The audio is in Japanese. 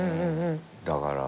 だから。